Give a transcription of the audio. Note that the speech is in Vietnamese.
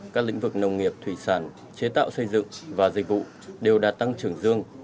các lĩnh vực nông nghiệp thủy sản chế tạo xây dựng và dịch vụ đều đã tăng trưởng dương